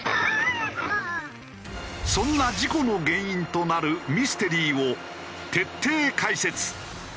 そんな事故の原因となるミステリーを徹底解説。